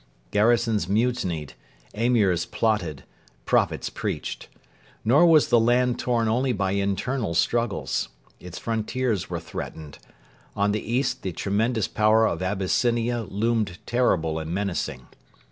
Garrisons mutinied; Emirs plotted; prophets preached. Nor was the land torn only by internal struggles. Its frontiers were threatened. On the east the tremendous power of Abyssinia loomed terrible and menacing.